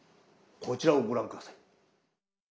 こちらをご覧下さい。